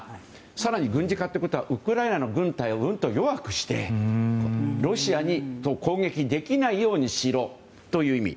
更に軍事化ということはウクライナの軍隊をうんと弱くしてロシアに攻撃できないようにしろという意味。